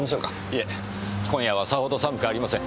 いえ今夜はさほど寒くありません。